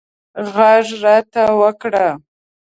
غږ راته وکړه